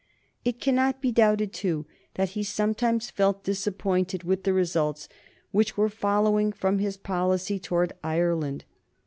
It cannot be doubted, too, that he sometimes felt disappointed with the results which were following from his policy towards Ireland.